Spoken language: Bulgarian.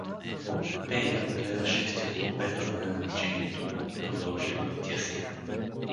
Поппея гледа шествието, без да знае значението му, и продължи пътя си.